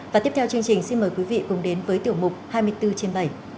và tiếp theo chương trình xin mời quý vị cùng đến với tiểu mục hai mươi bốn trên bảy